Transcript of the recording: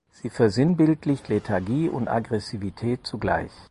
Sie versinnbildlicht Lethargie und Aggressivität zugleich.